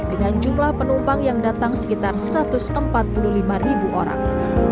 dengan jumlah penumpang yang datang sekitar satu ratus empat puluh lima ribu orang